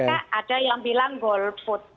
ada yang bilang golput